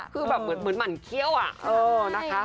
คือแบบเหมือนหมั่นเขี้ยวอะนะคะ